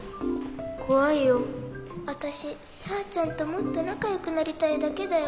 あたしさーちゃんともっとなかよくなりたいだけだよ。